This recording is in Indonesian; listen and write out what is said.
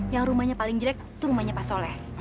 yang rumahnya paling jelek itu rumahnya pak soleh